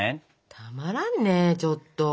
たまらんねちょっと。